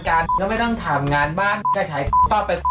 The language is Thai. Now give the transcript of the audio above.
การอกไม่ต้องถามงานบ้านไว้ไว้ถาม